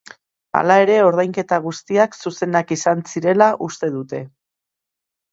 Hala ere, ordainketa guztiak zuzenak izan zirela uste dute.